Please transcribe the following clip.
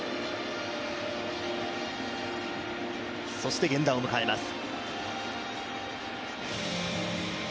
そして源田を迎えます。